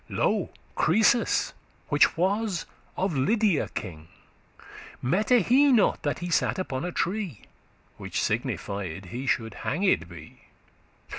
Lo Croesus, which that was of Lydia king, Mette he not that he sat upon a tree, Which signified he shoulde hanged be?